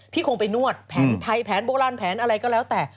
พี่คงไปนวดไพแผนโบราณแผนอะไรก็แล้วแต่